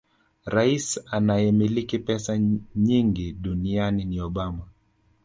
Rais anayemiliki pesa nyingi duniani ni Obama